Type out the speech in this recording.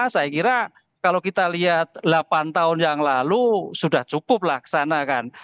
saya kira kalau kita lihat delapan tahun yang lalu sudah cukup laksanakan